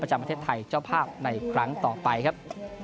จากประเทศไทยเจ้าภาพในครั้งต่อไปครับ